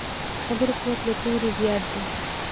د خبرو قوت له تورو زیات دی.